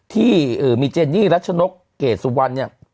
ที่มีเจนนี่รัชนกเกดสุวรรณเนี่ย